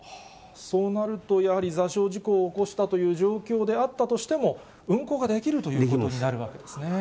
そうなるとやはり座礁事故を起こしたという状況であったとしても、運航ができるというふうになるわけですね。